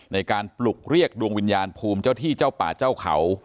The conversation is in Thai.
ในการปลุกเรียกดวงวิญญาณภูมิเจ้าที่เจ้าป่าเจ้าเขา